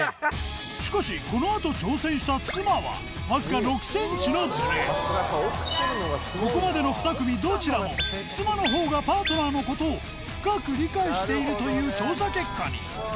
しかしこの後挑戦した妻はわずかここまでの２組どちらも妻の方がパートナーのことを深く理解しているという調査結果に！